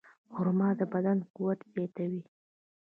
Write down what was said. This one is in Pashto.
خرما د بدن قوت زیاتوي.